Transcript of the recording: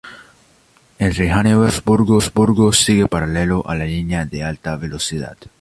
Entre Hanover y Wurzburgo sigue paralelo a la línea de alta velocidad.